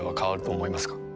思います